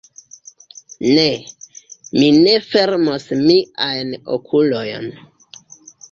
Ne... mi ne fermos miajn okulojn...